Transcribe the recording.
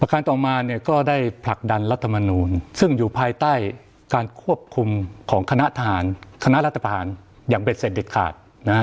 ประการต่อมาก็ได้ผลักดันรัฐมนุนซึ่งอยู่ภายใต้การควบคุมของคณะรัฐประหารอย่างเบรสเต็ดเด็ดขาด